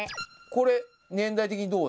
これ、年代的にどう？